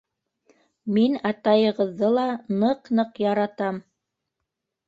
Мин атайығыҙҙы ла ныҡ-ныҡ яратам.